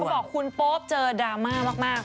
บอกคุณโป๊ปเจอดราม่ามาก